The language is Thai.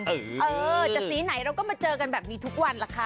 เออจะสีไหนเราก็มาเจอกันแบบนี้ทุกวันล่ะคะ